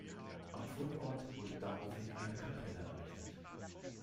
Am Fundort wurde daraufhin eine Kapelle errichtet.